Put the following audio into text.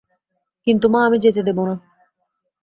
কিন্তু মা, আমি যেতে দেব না।